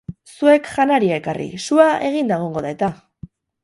Zuek janaria ekarri, sua eginda egongo da eta!